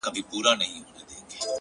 خدايه زما پر ځای ودې وطن ته بل پيدا که؛